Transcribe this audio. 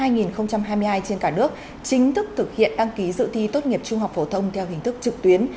năm hai nghìn hai mươi một hai nghìn hai mươi hai trên cả nước chính thức thực hiện đăng ký dự thi tốt nghiệp trung học phổ thông theo hình thức trực tuyến